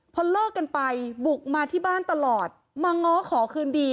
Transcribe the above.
พอเลิกกันไปบุกมาที่บ้านตลอดมาง้อขอคืนดี